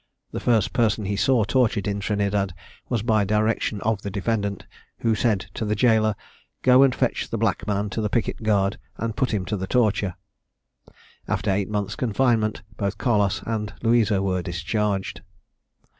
The first person he saw tortured in Trinidad was by direction of the defendant, who said to the gaoler, "Go and fetch the black man to the picket guard, and put him to the torture." After the eight months' confinement, both Carlos and Louisa were discharged.